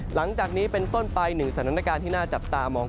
หลังจากนี้เป็นต้นไปหนึ่งสถานการณ์ที่น่าจับตามอง